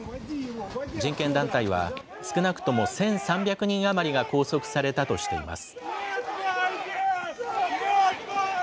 人権団体は、少なくとも１３００人余りが拘束されたとしています。